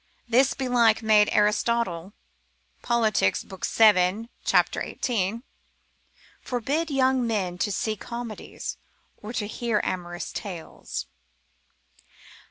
This belike made Aristotle, Polit. lib. 7. cap. 18. forbid young men to see comedies, or to hear amorous tales.